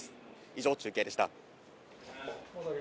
以上、中継でした。